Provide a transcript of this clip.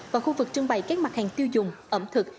và khu vực trưng bày các mặt hàng tiêu dùng ẩm thực